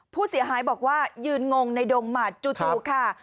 ผู้เสียหายบอกว่ายืนงงในดงหมัดจู่ค่ะ